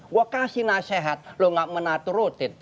gue kasih nasihat lu gak menatuh rotet